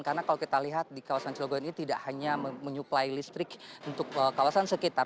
karena kalau kita lihat di kawasan cilegon ini tidak hanya menyuplai listrik untuk kawasan sekitar